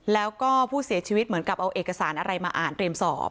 แล้วก็ผู้เสียชีวิตเหมือนกับเอาเอกสารอะไรมาอ่านเตรียมสอบ